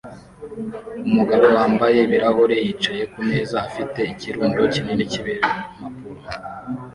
Umugabo wambaye ibirahuri yicaye kumeza afite ikirundo kinini cyimpapuro